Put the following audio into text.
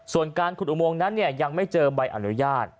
ส่วนการขุดอุโมงนั้นยังไม่เจอใบอนุญาต